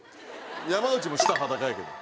山内も下裸やけど。